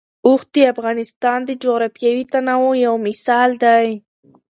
اوښ د افغانستان د جغرافیوي تنوع یو مثال دی.